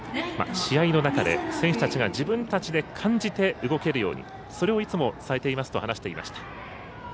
試合の中で選手たちが自分たちで感じて動けるようにそれをいつも伝えていますと話していました。